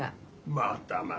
またまた。